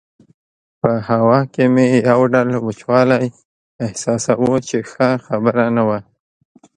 په هوا کې مې یو ډول وچوالی احساساوه چې ښه خبره نه وه.